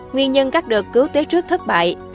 nguyên nhân các đợt cứu tế trước thất bại